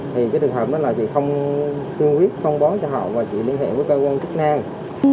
thì cái trường hợp đó là chị không tuyên quyết không bó cho họ và chị liên hệ với cơ quan chức năng